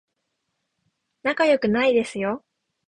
仲良くないですよ